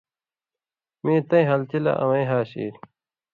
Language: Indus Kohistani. مے تَیں حالتی لا اَمیں ہَاسیۡ اِیلیۡ،